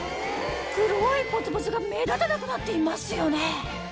黒いポツポツが目立たなくなっていますよね